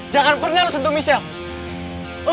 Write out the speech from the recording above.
jangan pernah lu sentuh michelle